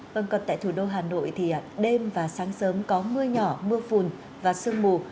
vâng còn tại thủ đô hà nội thì đêm và sáng sớm có mưa nhỏ mưa phùn và sương mù